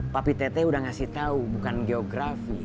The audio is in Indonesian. papih teteh udah ngasih tau bukan geografi